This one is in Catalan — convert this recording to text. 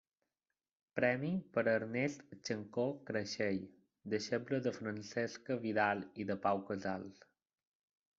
Premi per a Ernest Xancó Creixell, deixeble de Francesca Vidal i de Pau Casals.